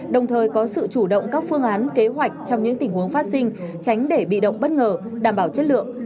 đồng thời có sự chủ động các phương án kế hoạch trong những tình huống phát sinh tránh để bị động bất ngờ đảm bảo chất lượng